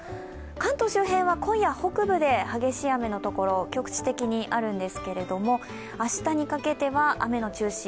関東周辺は今夜北部で激しい雨のところ局地的にあるんですけれども明日にかけては雨の中心